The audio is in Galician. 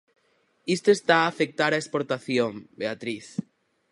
Isto está a afectar a exportación, Beatriz.